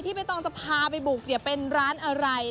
ใบตองจะพาไปบุกเนี่ยเป็นร้านอะไร